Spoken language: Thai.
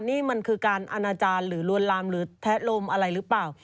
นี่มันคือการอนาจารย์หรือลวนลามหรือแทะลมอะไรหรือเปล่า